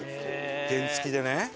原付きでね。